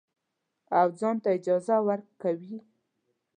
او ځان ته اجازه ورکوي.